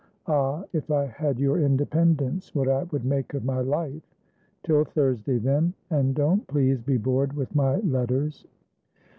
Ah! if I had your independence! What I would make of my life! Till Thursday, then, and don't, please, be bored with my letters."